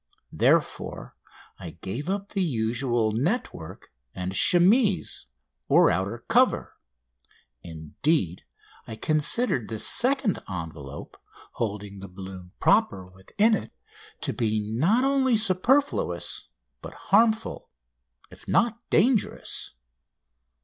Therefore I gave up the usual network and chemise, or outer cover; indeed, I considered this second envelope, holding the balloon proper within it, to be not only superfluous but harmful, if not dangerous.